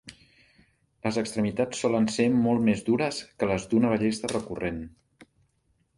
Les extremitats solen ser molt més dures que les d'una ballesta recurrent.